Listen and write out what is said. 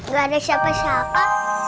gak ada siapa siapa